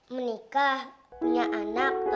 menikah punya anak